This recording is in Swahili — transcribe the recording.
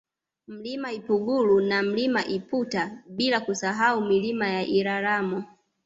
Mlima Ipungulu na Mlima Iputa bila kusahau Milima ya Iraramo